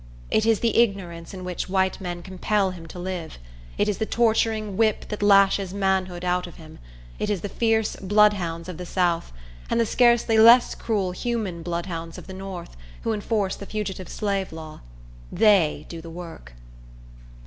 It is the ignorance in which white men compel him to live; it is the torturing whip that lashes manhood out of him; it is the fierce bloodhounds of the South, and the scarcely less cruel human bloodhounds of the north, who enforce the Fugitive Slave Law. They do the work.